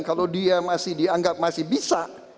kalau dia masih dianggap masih bisa